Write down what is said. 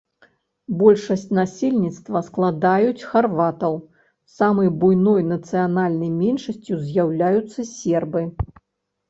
Большасць насельніцтва складаюць харватаў, самай буйной нацыянальнай меншасцю з'яўляюцца сербы.